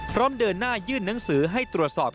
เดินหน้ายื่นหนังสือให้ตรวจสอบ